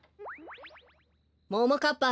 ももかっぱ